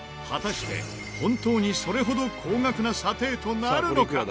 果たして本当にそれほど高額な査定となるのか！？